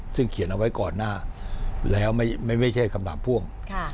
ซึ่งเขียนเอาไว้ก่อนหน้าแล้วไม่ใช่คำถามพ่วง